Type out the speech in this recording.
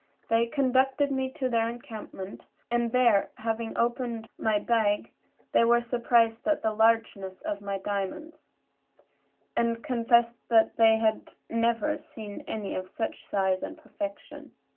They conducted me to their encampment; and there, having opened my bag, they were surprised at the largeness of my diamonds, and confessed that they had never seen any of such size and perfection.